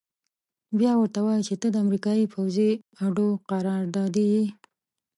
بيا ورته وايي چې ته د امريکايي پوځي اډو قراردادي يې.